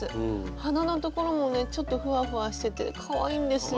鼻のところもねちょっとフワフワしててかわいいんですよ。